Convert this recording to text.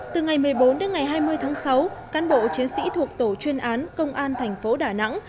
từ ngày một mươi bốn đến ngày hai mươi tháng sáu cán bộ chiến sĩ thuộc tổ chuyên án công an thành phố đà nẵng